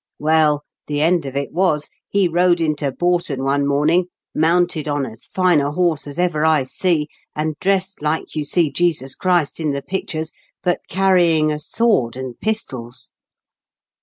Well, the end of it was, he rode into Boughton one morning, mounted on as fine a horse as ever I see, and dressed like you see Jesus Christ in the pictures, but carrying a sword and pistols.